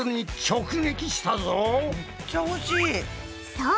そう！